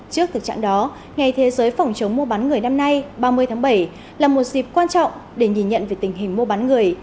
trước thực trạng đó ngày thế giới phòng chống mua bán người năm nay ba mươi tháng bảy là một dịp quan trọng để nhìn nhận về tình hình mua bán người